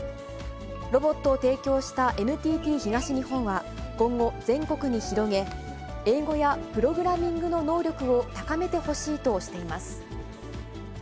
ロボットを提供したＮＴＴ東日本は、今後、全国に広げ、英語やプログラミングの能力を高めてほしいとしています。